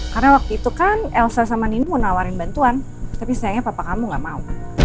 karena waktu itu kan elsa sama nini mau nawarin bantuan tapi sayangnya papa kamu gak mau